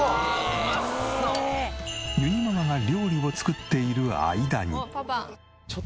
ゆにママが料理を作っている間に。